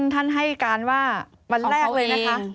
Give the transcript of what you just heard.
ท่านให้การว่าวันแรกเลยนะคะ